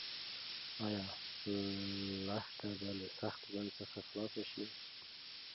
ایا لښته به له سخت ژوند څخه خلاص شي؟